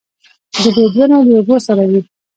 د بید ونه د اوبو سره وي